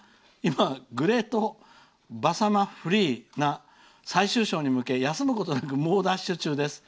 グレートバッサマフリーな最終章に向け休むことなく猛ダッシュ中です。